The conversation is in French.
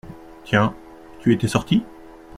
Tiens… tu étais sorti ?…